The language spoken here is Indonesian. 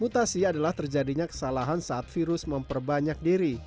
mutasi adalah terjadinya kesalahan saat virus memperbanyak diri